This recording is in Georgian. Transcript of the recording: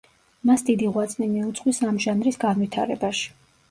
მას დიდი ღვაწლი მიუძღვის ამ ჟანრის განვითარებაში.